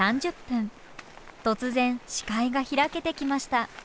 突然視界が開けてきました。